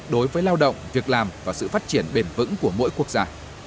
đối với lao động việc làm và sự phát triển bền vững của mỗi quốc gia